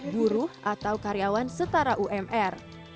buruh atau karyawan setara umr